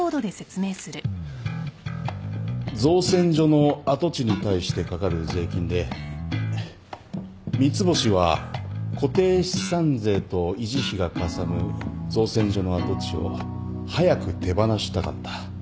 造船所の跡地に対してかかる税金で三ツ星は固定資産税と維持費がかさむ造船所の跡地を早く手放したかった。